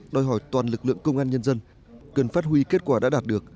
đòi hỏi toàn lực lượng công an nhân dân cần phát huy kết quả đã đạt được